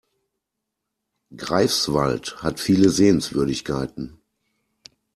Greifswald hat viele Sehenswürdigkeiten